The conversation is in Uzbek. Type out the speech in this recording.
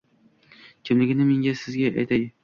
Kimligini men sizga aytay: